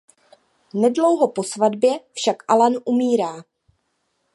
Nedlouho po svatbě však Allan umírá.